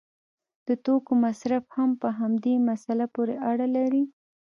د توکو مصرف هم په همدې مسله پورې اړه لري.